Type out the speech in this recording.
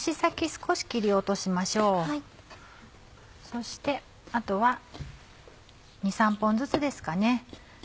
そしてあとは２３本ずつですかね